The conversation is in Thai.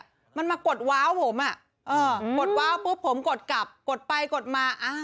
มันมากดว้าวผมอ่ะเออกดว้าวปุ๊บผมกดกลับกดไปกดมา